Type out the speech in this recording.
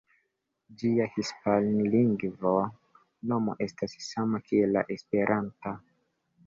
Ĝia hispanlingva nomo estas sama kiel la esperanta.